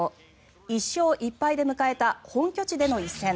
１勝１敗で迎えた本拠地での一戦。